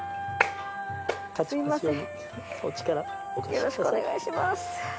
よろしくお願いします。